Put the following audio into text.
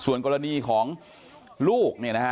ส่วนกรณีของลูก